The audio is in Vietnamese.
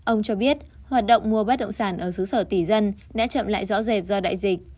ông cho biết hoạt động mua bất động sản ở xứ sở tỷ dân đã chậm lại rõ rệt do đại dịch